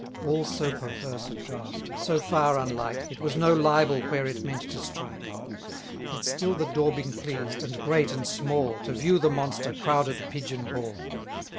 All so perverse a draught, so far unlike, It was no libel where it meant to strike. 1050 Yet still the daubing pleased, and great and small, To view the monster, crowded Pigeon Hall.